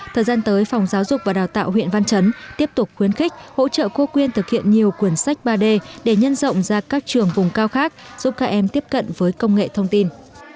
thời gian tới phòng giáo dục và đào tạo huyện văn chấn tiếp tục khuyến khích hỗ trợ cô quyên thực hiện nhiều quyền sách ba d để nhân rộng ra các trường vùng cao khác giúp các em tiếp cận với công nghệ thông tin